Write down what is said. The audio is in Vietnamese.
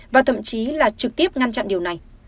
và thậm chí là trực tiếp ngăn chặn điều này